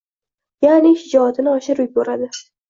Yaʼni, shijoatini oshirib yuboradi.